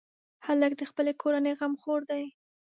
هلک د خپلې کورنۍ غمخور دی.